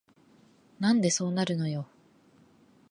なんでそうなるのよ